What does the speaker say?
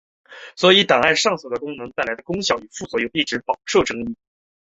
所以档案上锁功能带来的功效与副作用一直饱受争议。